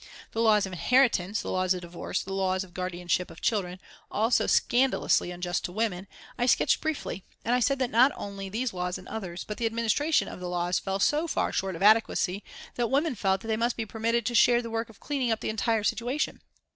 The laws of inheritance, the laws of divorce, the laws of guardianship of children all so scandalously unjust to women, I sketched briefly, and I said that not only these laws and others, but the administration of the laws fell so far short of adequacy that women felt that they must be permitted to share the work of cleaning up the entire situation.